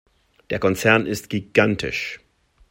Der Konzern ist gigantisch.